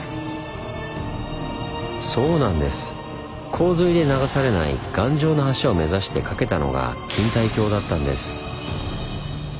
洪水で流されない頑丈な橋を目指して架けたのが錦帯橋だったんです。